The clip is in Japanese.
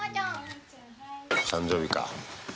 誕生日か。